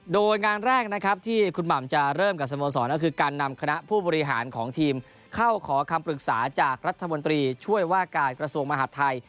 โดยงานแรกนะครับที่คุณหม่ำจะเริ่มกับสโมสรก็คือการนำคณะผู้บริหารของทีมเข้าขอคำปรึกษาจากรัฐมนตรีช่วยว่าการกระทรวงมหาดไทย